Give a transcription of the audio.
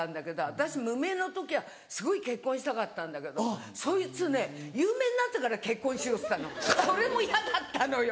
私無名の時はすごい結婚したかったんだけどそいつね有名になってから「結婚しよう」っつったの。それもヤダったのよ